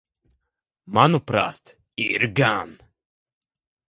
Manuprāt, ir gan.